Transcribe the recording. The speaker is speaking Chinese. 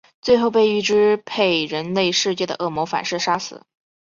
最后被欲支配人类世界的恶魔反噬杀死。